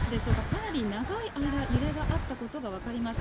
かなり長い間、揺れがあったことが分かります。